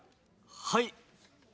はい。